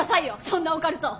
そんなオカルト！